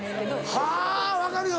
はぁ分かるよ